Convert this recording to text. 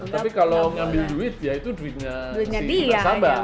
tapi kalau ngambil duit ya itu duitnya si bersama